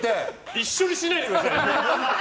一緒にしないでください。